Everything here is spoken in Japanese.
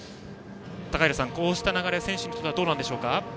高平さん、こうした流れは選手にとってはどうでしょうか。